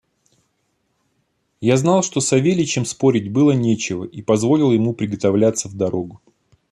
Я знал, что с Савельичем спорить было нечего, и позволил ему приготовляться в дорогу.